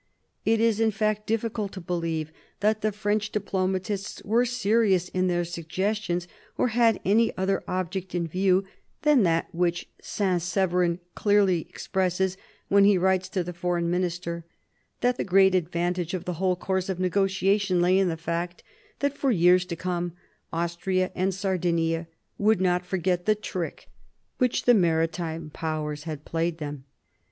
It is in fact difficult to believe that the French diplomatists were serious in their suggestions, or had any other object in view than that which St Severin clearly expresses when he writes to the foreign minister, " that the great advantage of the whole course of negotiation lay in the fact that, for years to come, Austria and Sardinia would not forget the trick which the Maritime Powers had played them."